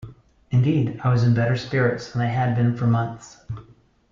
Indeed I was in better spirits than I had been for months.